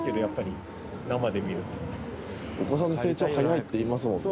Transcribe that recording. お子さんの成長早いっていいますもんね。